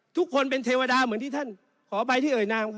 ทุกคนเป็นเทวดาเหมือนที่ท่านขออภัยที่เอ่ยนามครับ